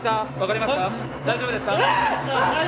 ⁉大丈夫ですよ。